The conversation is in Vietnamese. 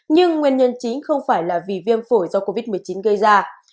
nhưng nguyên nhân chính không phải là vì viêm phổi do covid một mươi chín gây ra